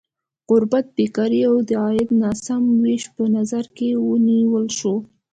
غربت، بېکاري او د عاید ناسم ویش په نظر کې ونیول شول.